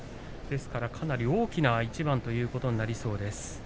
ですから、かなり大きな一番となりそうです。